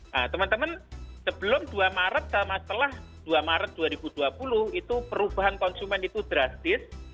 nah teman teman sebelum dua maret sama setelah dua maret dua ribu dua puluh itu perubahan konsumen itu drastis